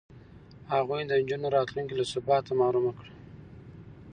هغوی د نجونو راتلونکې له ثباته محرومه کړه.